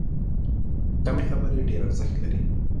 کمې خبرې، ډېر ارزښت لري.